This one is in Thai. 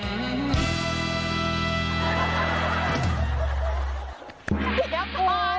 เดี๋ยวครับทุกคน